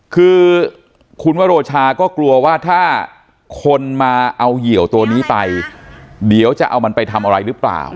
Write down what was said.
คือคุณวโรชาก็กลัวว่าถ้าคนมาเอาเหี่ยวตัวนี้ไปเดี๋ยวจะเอามันไปทำอะไรหรือเปล่า